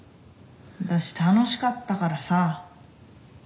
あたし楽しかったからさ。